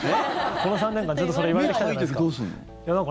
この３年間ずっとそれ言われてきたじゃないですか。